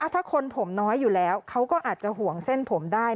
ถ้าคนผมน้อยอยู่แล้วเขาก็อาจจะห่วงเส้นผมได้